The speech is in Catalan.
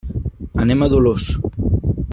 Anem a Dolors.